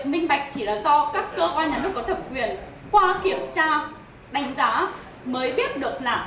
việc minh bạch thì là do các cơ quan nhà nước có thẩm quyền qua kiểm tra đánh giá